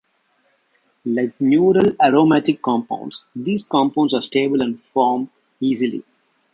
Like neutral aromatic compounds, these compounds are stable and form easily.